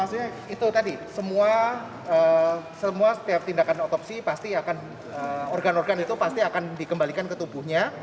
maksudnya itu tadi semua setiap tindakan otopsi pasti akan organ organ itu pasti akan dikembalikan ke tubuhnya